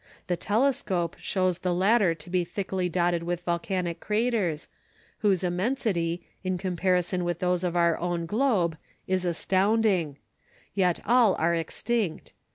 The telescope shows the latter to be thickly dotted with volcanic craters, whose immensity, in comparison with those of our own globe, is astounding; yet all are extinct.